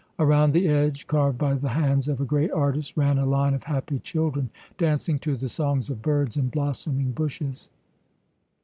Around the edge, carved by the hands of a great artist, ran a line of happy children dancing to the songs of birds in blossoming bushes.